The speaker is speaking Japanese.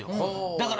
だから。